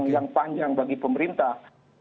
yang panjang bagi pemerintah